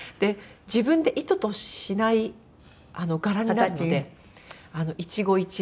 自分で意図しない柄になって一期一会。